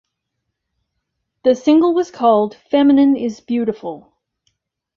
The single was called "Feminine Is Beautiful".